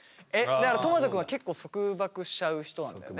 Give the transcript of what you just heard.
とまと君は結構束縛しちゃう人なんだよね？